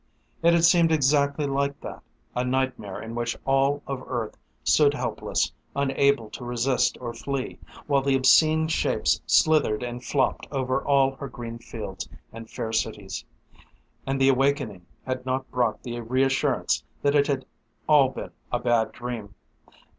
It had seemed exactly like that. A nightmare in which all of Earth stood helpless, unable to resist or flee, while the obscene shapes slithered and flopped over all her green fields and fair cities. And the awakening had not brought the reassurance that it had all been a bad dream.